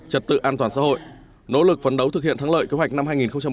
trật tự an toàn xã hội nỗ lực phấn đấu thực hiện thắng lợi kế hoạch năm hai nghìn hai mươi